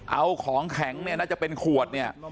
เอาของแข็งเนี่ยน่าจะเป็นขวดเนี่ย